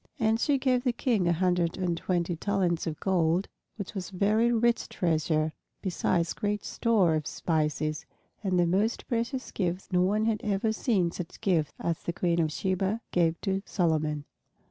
And she gave the King a hundred and twenty talents of gold, which was a very rich treasure, besides great store of spices, and the most precious gifts; no one had ever seen such gifts as the Queen of Sheba gave to Solomon.